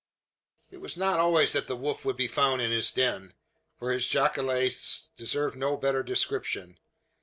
It was not always that the wolf could be found in his den for his jacale deserved no better description.